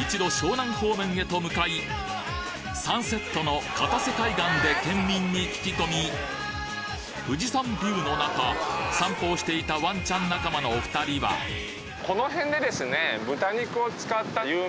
一路湘南方面へと向かいサンセットの片瀬海岸で県民に聞き込み富士山ビューの中散歩をしていたワンちゃん仲間のお二人はこの辺でですね。